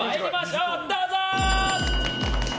どうぞ！